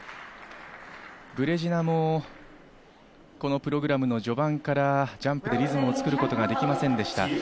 ブレジナもこのプログラムの序盤からジャンプでリズムを作ることができませんでした。